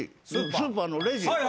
スーパーのレジ。